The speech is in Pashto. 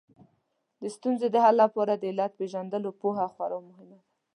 د ستونزو د حل لپاره د علت پېژندلو پوهه خورا مهمه ده